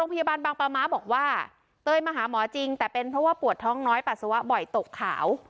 บางปลาม้าบอกว่าเตยมาหาหมอจริงแต่เป็นเพราะว่าปวดท้องน้อยปัสสาวะบ่อยตกขาว